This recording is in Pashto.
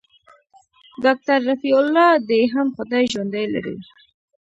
ډاکتر رفيع الله دې هم خداى ژوندى لري.